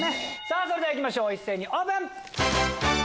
それでは行きましょう一斉にオープン！